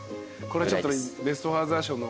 これはちょっと。